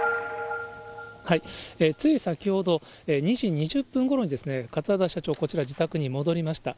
つい先ほど、２時２０分ごろに、桂田社長、こちらの自宅に戻りました。